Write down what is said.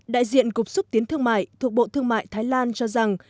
đại diện cục xúc tiến thương mại thuộc bộ thương mại thái lan cho rằng